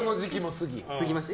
過ぎました。